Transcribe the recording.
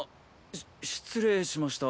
し失礼しました。